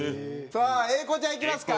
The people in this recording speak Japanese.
さあ英孝ちゃんいきますか。